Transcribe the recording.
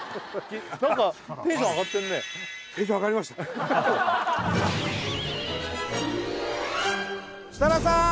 何か設楽さん